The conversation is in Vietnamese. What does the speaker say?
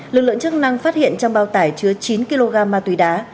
lực lượng chức năng phát hiện trong bao tải chứa chín kg ma túy đá